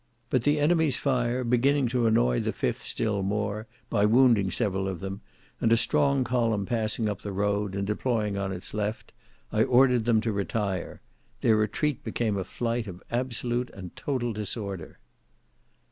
But the enemy's fire beginning to annoy the 5th still more, by wounding several of them, and a strong column passing up the road, and deploying on its left, I ordered them to retire; their retreat became a flight of absolute and total disorder."